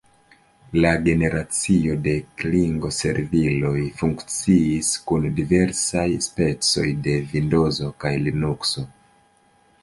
La generacio de klingo-serviloj funkciis kun diversaj specoj de Vindozo kaj Linukso.